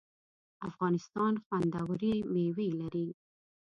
افغانستان خوندوری میوی لري